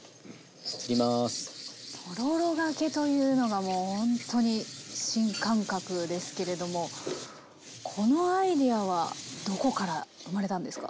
とろろがけというのがもうほんとに新感覚ですけれどもこのアイデアはどこから生まれたんですか？